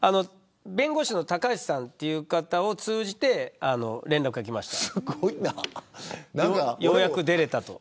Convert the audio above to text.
弁護士の高橋さんという方を通じて連絡がきました。